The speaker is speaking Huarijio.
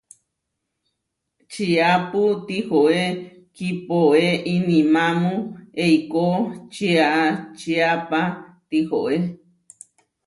Čiápu tihoé kipoé inimámu eikó čiačiapa tihoé.